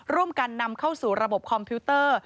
ร่วมกันนำเข้าสู่ระบบคอมพิวเตอร์